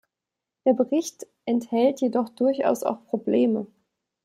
Der Bericht enthält jedoch durchaus auch Probleme.